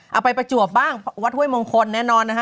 ประจวบบ้างวัดห้วยมงคลแน่นอนนะคะ